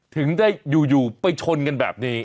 ถึงได้อยู่ไปชนกันแบบนี้